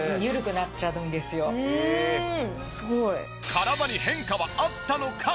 体に変化はあったのか？